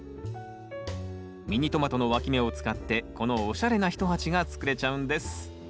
ミニトマトのわき芽を使ってこのおしゃれな一鉢が作れちゃうんです